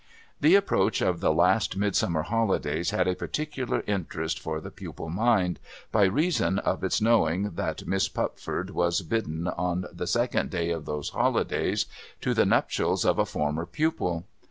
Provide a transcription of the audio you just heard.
The approach of the last Midsummer holidays had a particular interest for the pupil mind, by reason of its knowing that Miss 268 TOM TIDDLER'S GROUND Fupford was bidden, on the second day of those hohdays, to the nuptials of a former pupil.